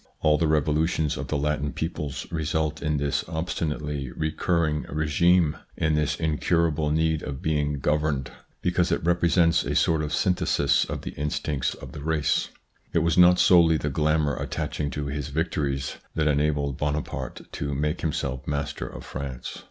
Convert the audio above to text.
All the revolutions of the Latin peoples result in this obstinately re curring regime, in this incurable need of being governed, because it represents a sort of synthesis of the instincts of the race. It was not solely the glamour attaching to his victories that enabled Bonaparte to make himself master of France.